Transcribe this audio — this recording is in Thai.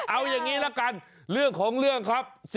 เอาอย่างนี้ละกันเรื่องของเรื่องครับ